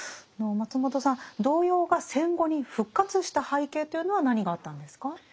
松本さん童謡が戦後に復活した背景というのは何があったんですか？